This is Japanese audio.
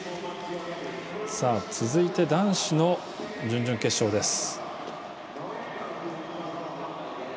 続いて男子の準々決勝です。